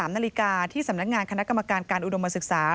๓นาฬิกาที่สำนักงานคณะกรรมการการอุดมศึกษา